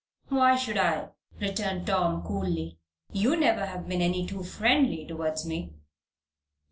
"Why should I?" returned Tom, coolly. "You never have been any too friendly towards me."